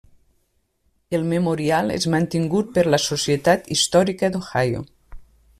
El memorial és mantingut per la Societat Històrica d'Ohio.